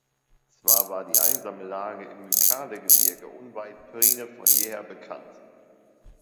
Zwar war die einsame Lage im Mykale-Gebirge unweit Priene von jeher bekannt.